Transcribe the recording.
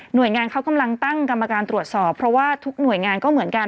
โดยงานเขากำลังตั้งกรรมการตรวจสอบเพราะว่าทุกหน่วยงานก็เหมือนกัน